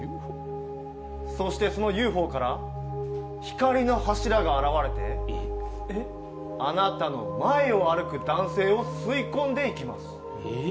そして、そのＵＦＯから光の柱が現れてあなたの前を歩く男性を吸い込んでいきます。